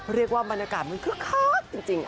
เรียกว่าบรรยากาศมั้งคือค็อค็อคจริง